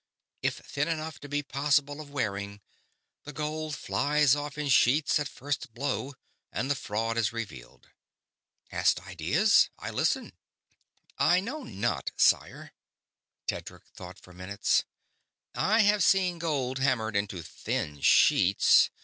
If thin enough to be possible of wearing, the gold flies off in sheets at first blow and the fraud is revealed. Hast ideas? I listen." "I know not, sire...." Tedric thought for minutes. "I have seen gold hammered into thin sheets ...